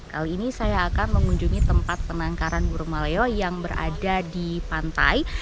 kali ini saya akan mengunjungi tempat penangkaran burung maleo yang berada di pantai